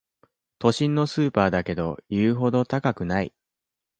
都心のスーパーだけど言うほど高くない